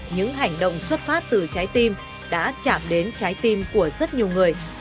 những hành động xuất phát từ trái tim đã chạm đến trái tim của rất nhiều người